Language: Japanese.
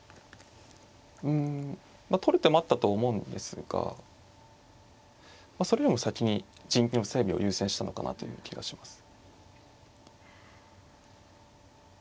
うんまあ取る手もあったと思うんですがそれよりも先に陣形の整備を優先したのかなという気がします。